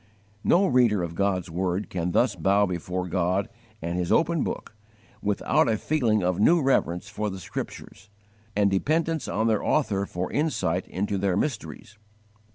No reader of God's word can thus bow before God and His open book, without a feeling of new reverence for the Scriptures, and dependence on their Author for insight into their mysteries.